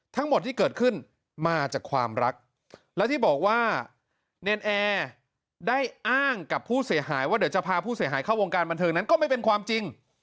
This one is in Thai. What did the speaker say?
ทั้งหมดที่เกิดขึ้นมาจากความรักและที่บอกว่าเนรนแอร์ได้อ้างกับผู้เสียหายว่าเดี๋ยวจะพาผู้เสียหายเข้าวงการบันเทิงนั้นก็ไม่เป็นความจริง